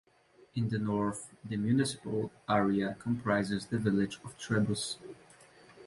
In the north, the municipal area comprises the village of Trebus.